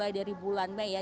mulai dari bulan mei ya